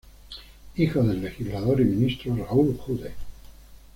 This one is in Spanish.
Hijo del legislador y ministro Raúl Jude.